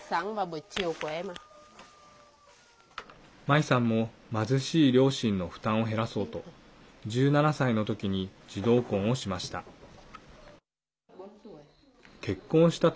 マイさんも貧しい両親の負担を減らそうと１７歳のときに児童婚をしました。